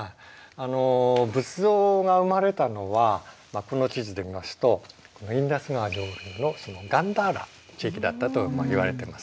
仏像が生まれたのはこの地図で見ますとインダス川上流のガンダーラ地域だったといわれてます。